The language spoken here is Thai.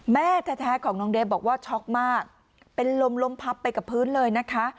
แม่แท้ของน้องเดฟบอกว่าช็อกมากเป็นลมล้มพับไปกับพื้นเลยนะคะ